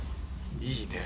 いいね。